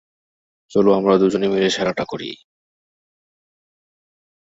চলো আমরা দুজনে মিলে সেরাটা করি!